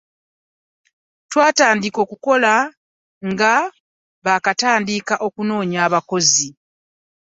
Twatandika okukola nga bakatandika okunonya abakozi.